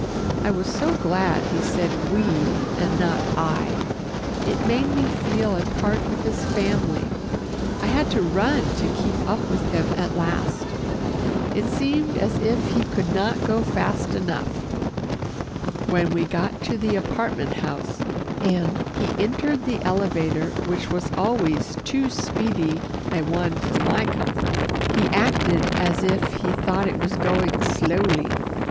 I was so glad he said "we" and not "I." It made me feel a part of his family. I had to run to keep up with him at last. It seemed as if he could not go fast enough. When we got to the apartment house, and he entered the elevator which was always too speedy a one for my comfort, he acted as if he thought it was going slowly.